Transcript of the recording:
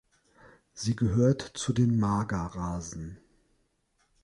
Sie gehört zu den Magerrasen.